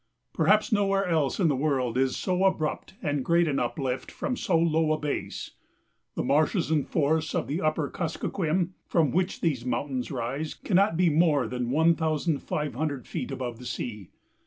Perhaps nowhere else in the world is so abrupt and great an uplift from so low a base. The marshes and forests of the upper Kuskokwim, from which these mountains rise, cannot be more than one thousand five hundred feet above the sea.